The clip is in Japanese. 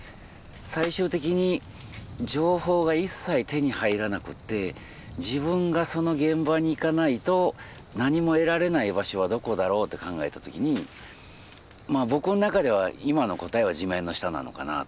最終的に情報が一切手に入らなくて自分がその現場に行かないと何も得られない場所はどこだろうって考えたときに僕の中では今の答えは地面の下なのかなと思って。